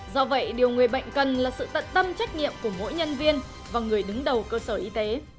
do vậy điều người bệnh cần là sự tận tâm trách nhiệm của mỗi nhân viên và người đứng đầu cơ sở y tế